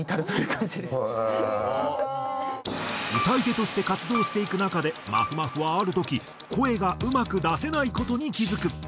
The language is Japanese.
歌い手として活動していく中でまふまふはある時声がうまく出せない事に気付く。